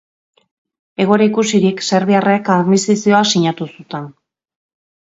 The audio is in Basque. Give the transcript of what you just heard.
Egoera ikusirik serbiarrek armistizioa sinatu zuten.